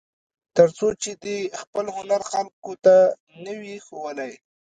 تر څو چې دې خپل هنر خلکو ته نه وي ښوولی.